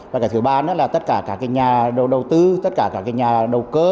và cái thứ ba nữa là tất cả cả cái nhà đầu tư tất cả cả cái nhà đầu cơ